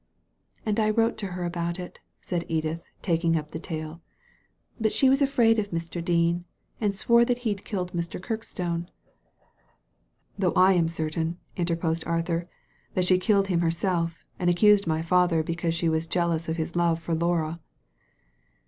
"And I wrote to her about it," said Edith, taking up the tale ;" but she was afraid of Mr. Dean, and swore that he killed Mr. Kirkstone." "Though I am certain," interposed Arthur, "that she killed him herself, and accused my father because she was jealous of his love for Laura."